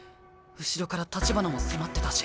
後ろから橘も迫ってたし。